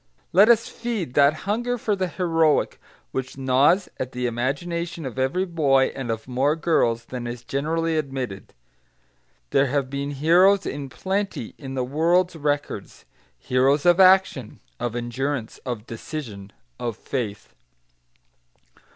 Let us feed that hunger for the heroic which gnaws at the imagination of every boy and of more girls than is generally admitted. There have been heroes in plenty in the world's records, heroes of action, of endurance, of decision, of faith.